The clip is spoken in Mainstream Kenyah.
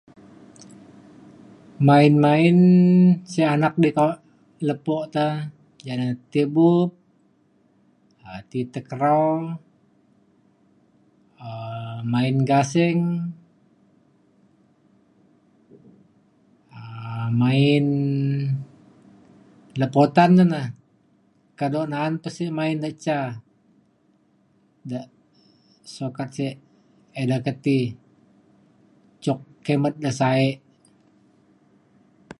main main sek anak di kak lepo le te ja na ti bup um ti takraw um main gasing um main lepo utan ne ne. kado na’an pa sek main de ca de sukat sek eda ke ti cok kimet de sa’e.